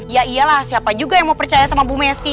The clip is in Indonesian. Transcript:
ya iyalah siapa juga yang mau percaya sama bu messi